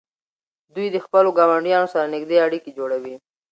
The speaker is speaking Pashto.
دوی د خپلو ګاونډیانو سره نږدې اړیکې جوړوي.